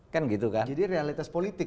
kan gitu kan jadi realitas politik